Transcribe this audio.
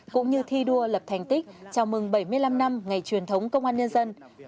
cũng như thi đua lập thành tích chào mừng bảy mươi năm năm ngày truyền thống công an nhân dân